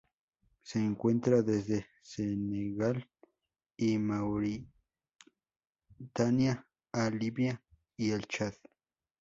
Se encuentra desde Senegal y Mauritania a Libia y el Chad.